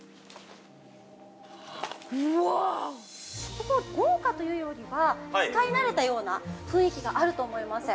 ◆ここ、豪華というよりは使いなれたような雰囲気があると思います。